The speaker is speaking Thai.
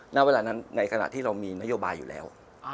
ณเวลานั้นในขณะที่เรามีนโยบายอยู่แล้ว